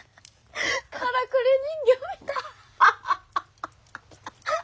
からくり人形みたい。